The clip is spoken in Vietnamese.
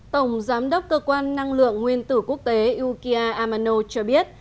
tổng giám đốc cơ quan năng lượng nguyên tử quốc tế ukia amano cho biết